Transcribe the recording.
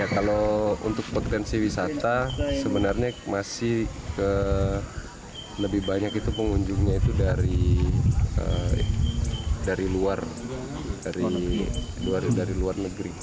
kalau untuk potensi wisata sebenarnya masih lebih banyak pengunjungnya itu dari luar negeri